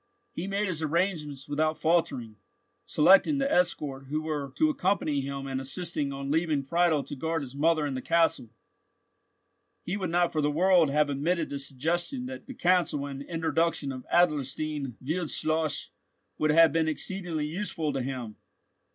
He made his arrangements without faltering, selecting the escort who were to accompany him, and insisting on leaving Friedel to guard his mother and the castle. He would not for the world have admitted the suggestion that the counsel and introduction of Adlerstein Wildschloss would have been exceedingly useful to him.